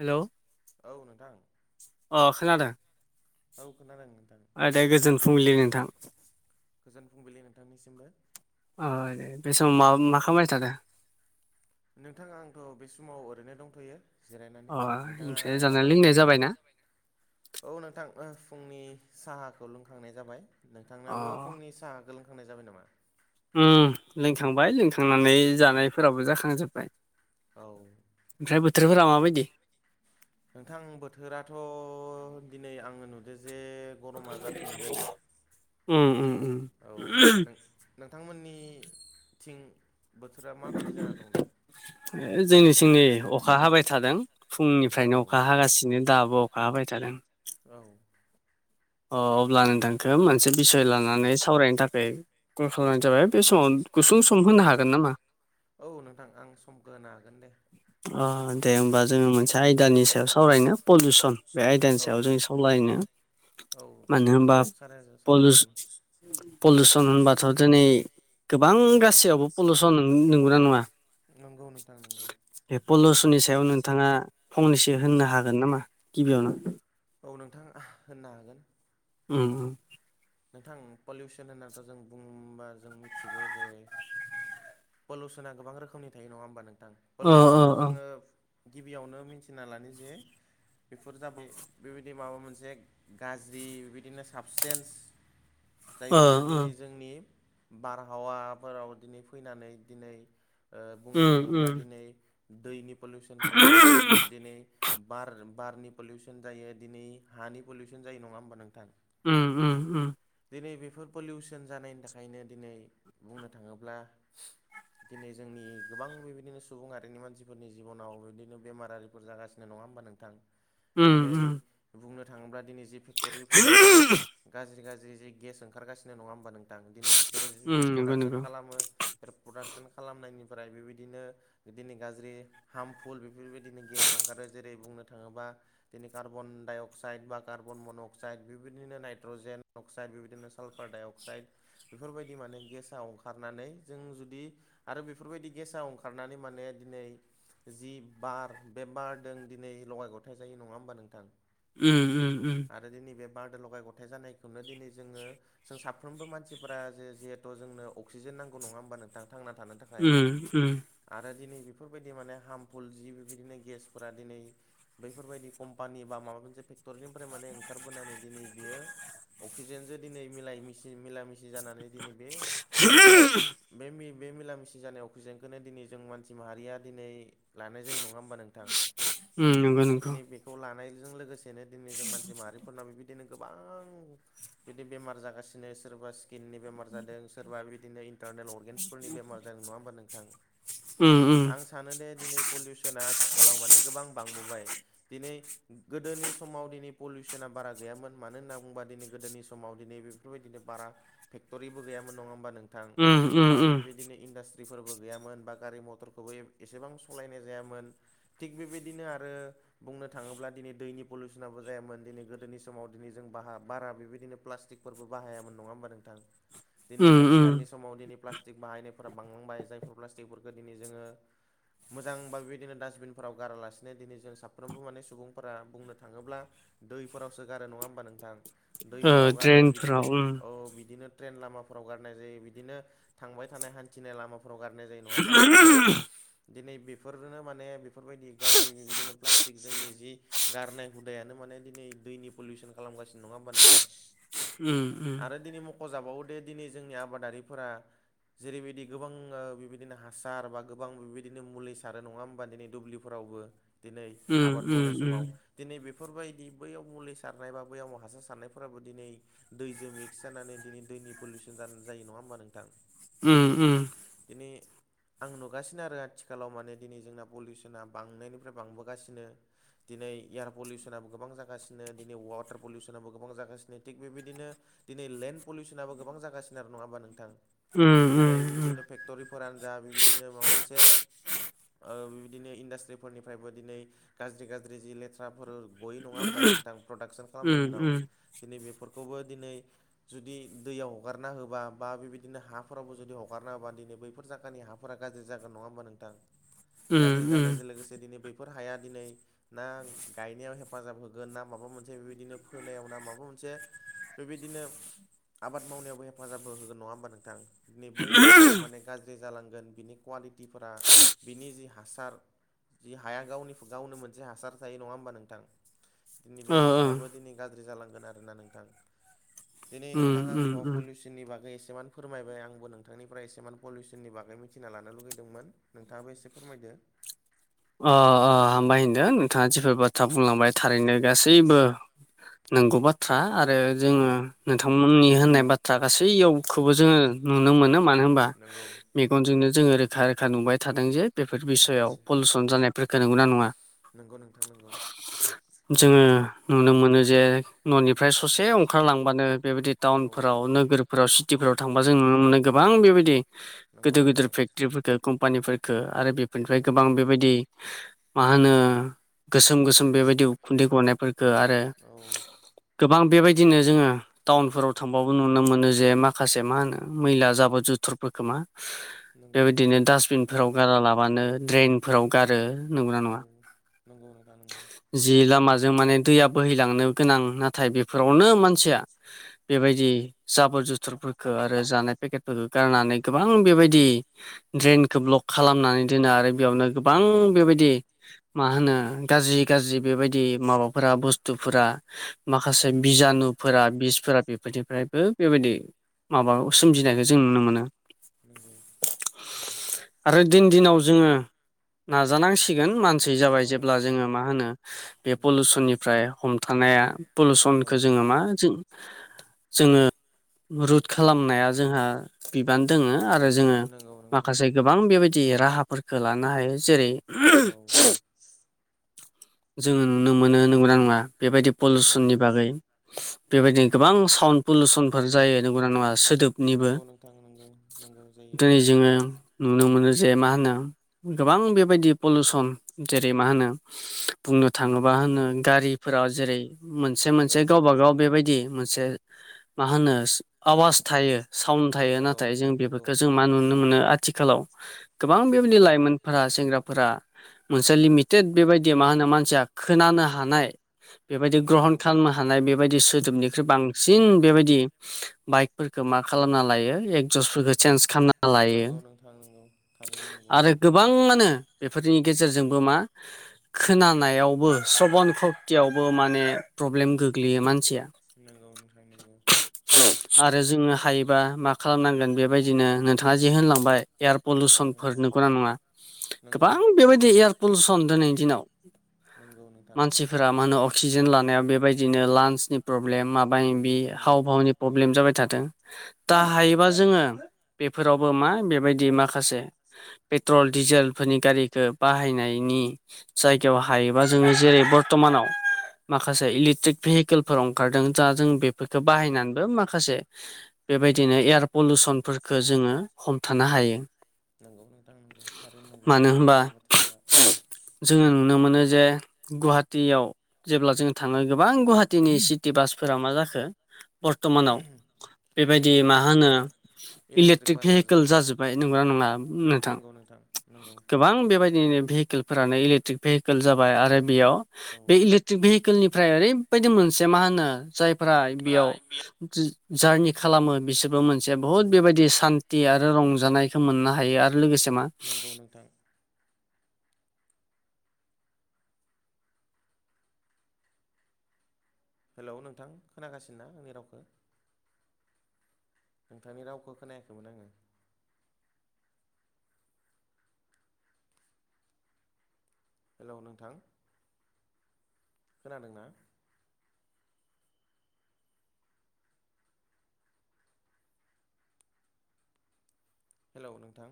Hello औ नोंथां अ खोनादों औ खोनादों ओ दे गोजोन मोनाबिलि गोजोन फुंबिलि नोंथांनिसिमबो अ दे बे समाव म मा खालामबाय थादों नोंथाङा आंथ' बे समाव ओरैनो दंथ'यो जिरायनानै अ नोंथाङा ओमफ्राय मा जानाय लोंनाय खालामगासिनो जाबायना औ नोंथां फुंनि साहाखौ लोंखांनाय जाबाय अ नोंथांनाबो फुंनि साहाखो लोंखा थांनाय जाबाय नामा लोंखांबाय लोंखांनानै जानायफोराबो जाखांजोब्बाय औ ओमफ्राय बोथोरफोरा माबायदि नोंथां बोथोराथ' दिनै आङो नुदों जे गरमा जाफिनगोन उम उम औ नोंथांमोननि थिं बोथोरा माबायदि जाना दं दा जोंनिथिंनि अखा हाबाय थादों फुंनिफ्रायनो अखा हागासिनो दाबो अखा हाबायथादों औ अ अब्ला नोंथांखौ मोनसे बिसय लानानै सावरायनो थाखाय कल खालामनाय जाबाय बे समाव गुसुं सम होनो हागोन नामा औ नोंथां आं सम होनो हागोन दे अ दे होमबा जोङो मोनसे आयदानि सायाव सावरायनो पलिउसन बे आयदानि औ सायाव जों सावरायनो औ नोंथां सा सावरायजागोन पलिुउसन होनबाथ' दिनै गोबां गासैयावबो पलिुउसन नंगौना नङा नंगौ नोंथां नंगौ बे पलिउसननि सायाव नोंथाङा फंनैसो होननो हागोन नामा गिबियावनो औ नोंथां होननो हागोन ओ नोंथां पलिउसन होननाथ' जों बुंबा जों मिथिगौ जे पलुसना गोबां रोखोमनि थायो नङा होमबा नोंथां अ अ पलिुसनखौ जोङो गिबियावनो मिथिना लानो जे बेफोर जाबाय बेबायदि माबा मोनसे गाज्रि बिदिनो साबसटेन्स अ जायफोरो अ दिनै जोंनि बारहावाफोराव दिनै फैनानै दिनै ओ बुंनो उम उम थाङोब्ला दिनै दैनि पलिउसन जायो दिनै बार बारनि पलिउसन जायो दिनै हानि पलिउसन जायो नङा होमबा नोंथां? उम उम उम दिनै बेफोर पलिउसन जानायनि थाखायनो दिनै बुंनो थाङोब्ला दिनै जोंनि गोबां बेबायदिनो सुबुंआारिनि मानसिफोरनि जिबनाव बिदिनो बेमारारिफोर जागासिनो नङा होमब नों उम दिनै उम बुंनो थाङोब्ला दिनै जि फेक्ट'रिफोरनिफ्राय गाज्रि गाज्रि जि गेस ओंखारगासिनो नङा होमबा नोंथां दिनै बिसोरो उम जि नंगौ प्रडाक्सन नंगौ खालामो रि प्रडाक्सन खालामनायनिफ्राय बेबायदिनो बिदिनो गाज्रि हार्मफुल बेफोरबायदिनो गेस ओंखारो जेरै बुंनो थाङोब्ला दिनै कार्बन डाइ अक्साइड बा कार्बन मन' अक्साइड बेबायदिनो नाइट्रजेन अक्साइड बेबायदिनो साल्फार डाइअक्साइड बेफोरबायदि माने गेस आ अंखारनानै जों जुदि आरो बेफोरबायदि गेसा अंखारनानै माने दिनै जि बार बे बारदों दिनै लगाय गथाय जायो नङा होमबा नोंथां? उम उम उम आरो दिनै बे बारदो लगाय गथाइ जानायखौनो दिनै जोङो जों साफ्रोमबो मानसिफोरा जे जिहेथु जोंनो अक्सिजेन नांगौ नङा होमबा नोंथाङा थांना थानो थाखाय। उम उम आरो दिनै बेफोरबायदि माने हार्मफुल जि बेबायदिनो गेसफोरा दिनै बैफोरबायदि कम्पानि बा माबा मोनसे फेक्ट'रिनिफ्राय माने ओंखारबोनानै दिनै बियो अक्सिजेनजों दिनै मिलाय मिसि मिला मिसि जानानै दिनै बे [inaudible] बे बे मिला मििसि जानाय अक्सिजेनखौनो दिनै जों मानसि माहारिया दिनै लानाय जायो नङा होमबा नों उम नंगौ नंगौ दिै बेखौ लानायजों लोगोसेनो दिनै जों मानसि माहारिफोरना बेबादि बिदिनो गोबां बिदि बेमार जागासिनो सोरबा स्किननि बेमार जादों सोरबा बिदिनो इन- टारनेल अर्गेन्सफोरनि बेमार जादों नङा होमबा नोंथां उम उम आं सानो सानो दे दिनै पलिउसना आथिखालाव माने गोबां बांबोबाय दिनै गोदोनि समाव दिनै पलिउसना बारा गैयामोन मानो होनना बुंङोबा दिनै गोदोनि समाव दिनै बेफो बेफोरबायदिनो बारा फेक्ट'रिबो गैयामोन नङा होमबा नोंथां उम उम बा बे- उम बेबायदिनो इन्डास्ट्रिफोरबो गैयामोन बा गारि मथरखौबो एसेबां सालायनाय जायामोन। थिग बेबायदिनो आरो बुंनो थाङोब्ला दिनै दैनि पलिउसनाबो जायामोन दिनै गोदोनि समाव दिनै जों बाहा बारा बेबायदिनो प्लास्टिक फोरबो बाहायामोन नङा होमबा नोंथां? [inaudible] दिनै उम आथिखालनि समाव दिनै प्लास्टिक बाहायनायफोरा बांलांबाय जायफोर प्लास्टिकफोरखौ दिनै जोङो मोजांबा बेबायदिनो डास्टबिनफोराव गारालासिनो दिनै जों साफ्रोमबो माने सुबुंफोरा बुंनो थाङोब्ला दैफोरावसो गारो नङा होमबा नोंथां? ओ दैफोराव गारो ड्रेनफोराव बिदिनो उम औ बिदिनो ट्रेन लामाफोराव गारनाय जायो बि बिदिनो थांबाय थानाय हान्थिनाय लामाफ्राव गारनाय जायो नङा होमबा नोंथां? दिनै बेफोरनो माने बेफोरबायदि गाज्रि बिदिनो प्लास्टिक जोंनि जि गारनाय हुदायानो माने दिनै दैनि पलिउसन खालामगासिनो नङा होमबा नोंथां? उम आरो दिनै मख'जाबावो दे दिनै जोंनि आबादारिफोरा जेरैबायदि गोबां ओ बेबायदिनो हासार बा गोबां बेबायदिनो मुलि सारो नङा होमबा दिनै दुब्लि फोरावबो दिनै उम आबाद मावनाय उम समाव दिनै बेफोरबायदि बैयाव मुलि सारनाय बा बैयाव हासार सारनायफोराबो दिनै। दैजों मिक्स जानानै दिनै दैनि पलिउसन जायो नङा होमबा नोंथां उम उम दिनै आं नुगासिनो आरो आथिखालाव माने दिनै जोंना पलिउसना बांनायनिफ्राय बांबोगासिनो दिनै एयार पलिउसनाबो गोबां जागासिनो दिनै वाटार पलिउसनाबो गोबां जागासिनो थिग बेबायदिनो। दिनै लेन्ड पलिउसनाबो गोबां जागासिनो आरो नङा होनबा नोंथां उम उम दिनै बिबायदिनो फे क्ट'रिफोरानो जा बेबायदिनो माबा मोनसे। ओ बिबायदिनो इन्डास्ट्रिफोरनिफ्रायबो दिनै गाज्रि गाज्रि जि लेथ्राफोर। गयो नङा होमबा नोंथां प्रडाक्सन खालामनायनि उनाव दिनै बेफोरखौबो दिनै जुदि दैयाव हगारना होनबा बा बेबायदिनो हाफोरावबो जुदि हगारनाहोबा दिनै बैफोर जायगानि हाफोरा गाज्रि जागोन नङा होमबा नोंथां। उम गाज्रि उम जानायजों लोगोसे दिनै बैफोर हाया दिनै ना गायनायाव हेफाजाब होगोन ना माबा मोनसे बेबायदिनो फोनायाव ना माबा मोनसे बेबायदिनो आबाद मावनायावबो हेफाजाब। होगोन नङा हबा नोंथां दिै बै हाफोरा माने गाज्रि जालांगोन बिनि। कुवालिटिफोरा बिनि जि हासार जि हाया गावनि गावनो मोनसे हासार थायो नङा होमबा नोंथां। दिनै ओ बे हासाराबो दिनै गाज्रि जालांगोन आरोना नोंथां दिनै उम नोंथां उम आंथ' उम पलिसि। नि बागै एसेबान फोरमायबाय आंबो नोंथांनिफ्राय एसेबान पलिउसननि बागै मिथिना लानो लुगैदोंमोन। नोंथाङाबो एसे फोरमायदो। अ अ हामबाय होनदों नोंथाङा जेफोर बाथ्रा बुंलांबाय थारैनो गासैबो नंगौ बाथ्रा आरो औ जोङो नोंथांमोननि होननाय बाथ्रा गासैयावखौबो जोङो। नुनो मोनो मानो होनबा नंगौ मेगनजोंनो जोङो रोखा रोखा नुबाय थादों जे बेफोर बिसयाव। नंगौ पलुसन जानायफोरखो नंगौना नङा। नंगौ नोंथां नंगौ जोङो नुनो मोनो जे न'निफ्राय ससे अंखारलांबानो बेबायदि औ टाउनफोराव नोगोरफोराव सिटिफोराव थां बा जों नुनो मोनो गोबां बेबायदि नंगौ गिदिर गिदिर नोंथां फेक्टरिफोरखो कम्पानिफोरखो आरो बेफोरनिफ्राय नंगौ गोबां बेबायदि मा होनो गोसोम गोसोम बेबायदि उखुन्दै गनायफोर। आरो औ गोबां बेबायदिनो जोङो टाउनफोराव थांबाबो नुनो मोनो जे माखासे मा होनो मैला जाबो जुथुरफोरखोमा नंगौ नोंथां। बेबायदिनो डासबिनफोराव गारा लाबानो ड्रेन फोराव गारो नंगौना औ नङा। नंगौ नोंथां नंगौ। जि लामाजों माने दैया बोहैलांनो गोनां नाथाय बेफोरावनो मानसिया बेबायदि जाबोर जुथरफोरखौ आरो जानाय पेकेटफोरखौ गारनानै गोबां बेबायदि ड्रेनखौ ब्लक खालामनानै दोनो आरो बेयावनो गोबां नंगौ नोंथां बेबायदि। मा होनो गाज्रि गाज्रि बेबायदि माबाफोरा बुस्थुफोरा माखासे बिजानुफोरा बिसफोरा बेफोरनिफ्रायबो बेबायदि माबा नगौ नोंथां सोमजिनायखौ जों नुनो मोनो नंगौ आरो दिन दिनाव जोङो नाजानांसिगोन मानसि जाबाय नंगौ जेब्ला नोंथां जोङो मा होनो बे नंगौ। पलिउसननिफ्राय हमथानाया औ पलुसनखौ जोङो मा जों जोङो रुद खालामनाया जोंहा बिबान दोङो आरो जोङो नंगौ नोंथां। माखासे गोबां बेबायदि राहाफोरखौ लानो हायो जेरै औ जोङो नुनो मोनो नोंगना नङा बेबायदि नंगौ पलिउसननि नोंथां। बागै। बेबायदिनो गोबां साउन्ड पलुसनफोर जायो नंगौना नङा सोदोबनिबो नंगौ नोंथां नंगौ नंगौ जायो दिनै जोङो। नुनो मोनो जे मा होनो गोबां बेबायदि पलिउसन जेरै मा होनो। बुंनो थाङोबा होनो गारिफोराव जेरै मोनसे मोनसे नंगौ नोंथां गावबागाव बेबायदि मोनसे मा होनो आवाज थायो साउन्ड थायो नंगौ नाथाय जों नोंथां नंगौ बेफोरखौ जों मा नुनो मोनो आथिखालाव गोबां नंगौ बेबायदि लाइमोनफोरा सेंग्राफोरा मोनसे लिमिटेड बेबायदि मा होनो मानसिया खोनानो हानाय बेबायदि ग्रहन खालामनो हानाय बेबायदि सोदोबनिख्रुइ बां बांसिन बेबायदि बाइकफोरखौ मा खालामना लायो चेन्स खालामना लायो नंगौ नोंथां नंगौ थारैनो नंगौ आरो गोबाङानो बेफोरनि गेजेरजोंबो मा खोनानायावबो स्रबन खक्तियावबो माने प्रब्लेम गोग्लैयो मानसिया नंगौ नोंथां नंगौ। आरो जोङो हायोबा मा खालामनांगोन बेबायदिनो नोंथाङा जे होनलांबाय एयार औ पलिुसनफोर नोंथां नोंगौना नङा? नंगौ गोबां बेबायदि एयार पलुसन दिनैनि दिनाव नंगौ नोंथां। मा होनो असिजेन लानायाव बेबायदिनो लान्स प्रब्लेम माबानि नंगौ हावभावनि प्रब्लेम जाबाय थादों दा नंगौ हायोबा नोंथां जोङो बेफोरावबो मा बेबायदि माखासे पेट्रल डिजेलफोरनि गारिखौ बाहायनायनि जायगायाव हायोबा नंगौ जोङो नोंथां जेरै बरथमानाव। माखासे इलेक्ट्रिक भेहिकेलफोर ओंखारदों दा जों बेफोरखौो नंगौ बाहायनानैबो नोंथां माखासे बेबायदिनो एयार पलउसनफोरखौ जोङो हमथानो हायो। नंगौ नोंथां नंगौ थारैनो नंगौ मानो नोंथांनि होनबा बुंनाय बाथ्राफ्रा जोङो नुनो मोनो जे गुवाहाटियाव जेब्ला जों थाङो गोबां गुवाहाटिीनि सिटि बासफोरा मा जाखो बरथमानाव बेबायदि औ मा होनो नोंथां इलेक्ट्रिक भेहिकेल जाजोब्बाय नंगौना नङा नोंथां। नंगौ नंगौ गोबां बेबायदिनो भेहिकेलफोरानो इलेक्ट्रिक भेहिकेल जाबाय आरो बेयाव औ बे इले भेहिकेलनिफ्राय ओरैबायदि मोनसे मा होनो जायफ्रा बेयाव जारनि खालामो बिसोरबो मोनसे औ बहुत बेबायदि सान खथि आरो रंजानायखौ मोननो हायो आरो लोगोसे मा नंगौ नोंथां। हेलौ नोंथां खोनागासिनो ना? आंनि रावखौ नोंथांनि रावखौ खोनायाखैमोन आङो। हेल' नोंथां। खोनादोंना? हेल' नोंथां।